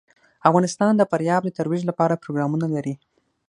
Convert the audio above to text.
افغانستان د فاریاب د ترویج لپاره پروګرامونه لري.